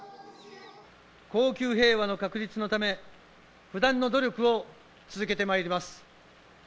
恒久平和の確立のため、不断の努力を続けてまいります。